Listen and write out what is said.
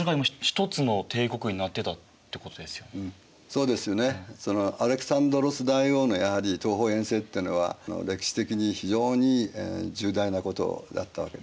そうですよねアレクサンドロス大王のやはり東方遠征っていうのは歴史的に非常に重大なことだったわけです。